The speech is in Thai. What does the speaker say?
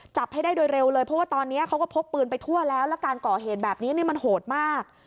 จับให้ได้โดยเร็วเลยเพราะว่าตอนนี้เขาก็พกปืนไปทั่วแล้วแล้วการก่อเหตุแบบนี้มันโหดมาก